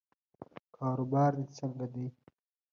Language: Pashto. کاروبار دې څنګه دی؟